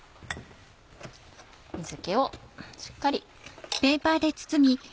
水気をしっかり。